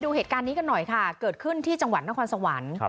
ดูเหตุการณ์นี้กันหน่อยค่ะเกิดขึ้นที่จังหวัดนครสวรรค์